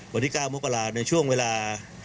วันที่๙มกราศในช่วงเวลา